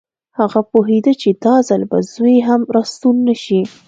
هغه پوهېده چې دا ځل به زوی هم راستون نه شي